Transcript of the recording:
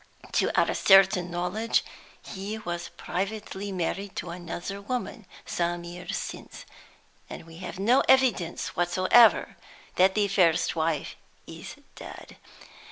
To our certain knowledge, he was privately married to another woman some years since; and we have no evidence whatever that the first wife is dead.